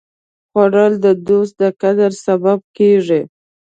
خوړل د دوست د قدر سبب کېږي